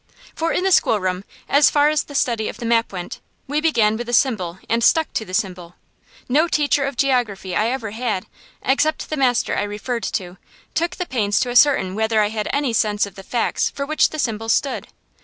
For in the schoolroom, as far as the study of the map went, we began with the symbol and stuck to the symbol. No teacher of geography I ever had, except the master I referred to, took the pains to ascertain whether I had any sense of the facts for which the symbols stood.